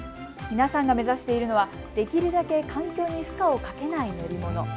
皆さんが目指しているのはできるだけ環境に負荷をかけない乗り物。